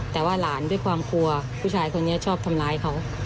แต่ว่าหลานด้วยความกลัวผู้ชายคนนี้ชอบทำร้ายเขา